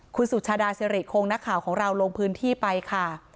คุณสุชาดาสิริคงนักข่าวของเราลงพื้นที่ไปค่ะ